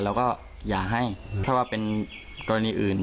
เราก็อย่าให้ถ้าว่าเป็นกรณีอื่น